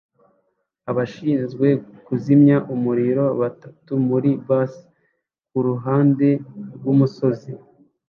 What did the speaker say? Abashinzwe kuzimya umuriro batatu muri bus kuruhande rwumusozi